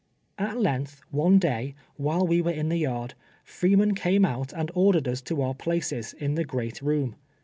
At length, one day, while we were in the yard, Freeman came out and ordered us to our ])laees, in the great room.